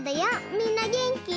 みんなげんき？